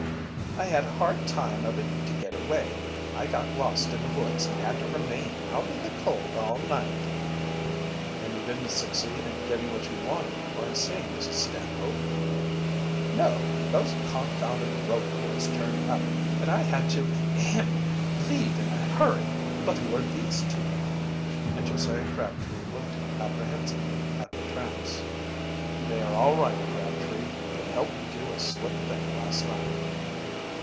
"I had a hard time of it to get away. I got lost in the woods and had to remain out in the cold all night." "Then you didn't succeed in getting what you wanted, or in seeing Mrs. Stanhope?" "No. Those confounded Rover boys turned up, and I had to ahem leave in a hurry. But who are these two men?" and Josiah Crabtree looked apprehensively at the tramps. "They are all right, Crabtree. They helped me do a slick thing last night."